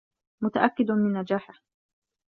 متأكد من نجاحه.